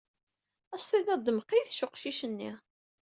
Ad s-tiniḍ d Mqidec uqcic-nni.